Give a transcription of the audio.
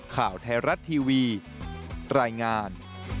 ข่าวไทยรัฐทีวีรายงาน